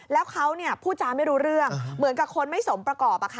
แล้วเขาพูดจาไม่รู้เรื่องเหมือนกับคนไม่สมประกอบ